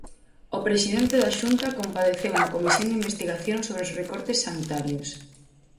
O presidente da Xunta compareceu na comisión de investigación sobre os recortes sanitarios.